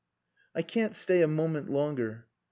"I can't stay a moment longer.